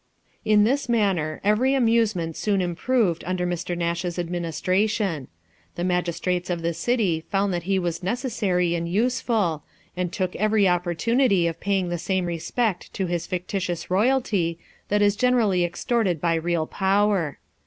In this manner every amusement soon improved under Mr. Nash's administration. The magistrates of the city found that he was necessary and useful, and took every opportunity of paying the same respect to his fictitious royalty, that is generally extorted by real power.